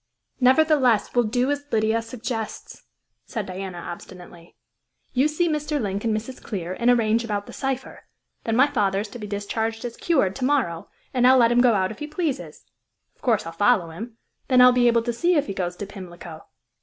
"Nevertheless, we'll do as Lydia suggests," said Diana obstinately. "You see Mr. Link and Mrs. Clear, and arrange about the cypher. Then my father is to be discharged as cured to morrow, and I'll let him go out if he pleases. Of course, I'll follow him; then I'll be able to see if he goes to Pimlico."